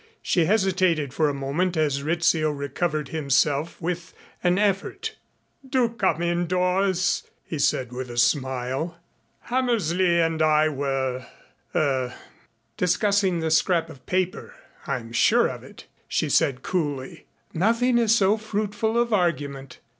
She hesitated for a moment as Rizzio recovered himself with an effort. "Do come in, Doris," he said with a smile. "Hammersley and I were er " "Discussing the scrap of paper. I'm sure of it," she said coolly. "Nothing is so fruitful of argument.